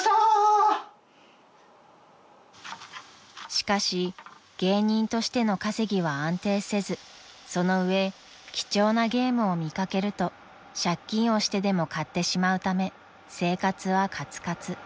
［しかし芸人としての稼ぎは安定せずその上貴重なゲームを見掛けると借金をしてでも買ってしまうため生活はかつかつ］